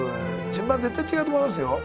順番絶対違うと思いますよ。